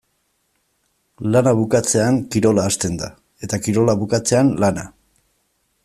Lana bukatzean kirola hasten da eta kirola bukatzean lana.